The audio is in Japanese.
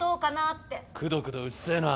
くどくどうっせえな。